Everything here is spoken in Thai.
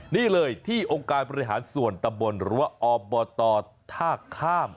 นี่เลยที่องค์การประหลาดส่วนตำบลรัวอบบตท่าข้าม